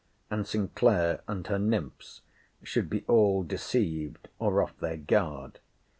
and Sinclair and her nymphs, should be all deceived, or off their guard.